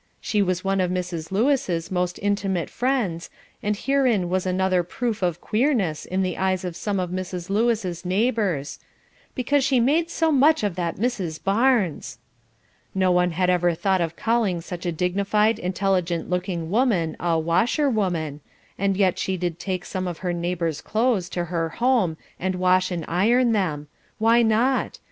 She was one of Mrs. Lewis' most intimate friends, and herein was another proof of "queerness" in the eyes of some of Mrs. Lewis' neighbours, "because she made so much of that Mrs. Barnes." No one had ever thought of calling such a dignified, intelligent looking woman a "washer woman," and yet she did take some of her neighbours' clothes to her home and wash and iron them why not?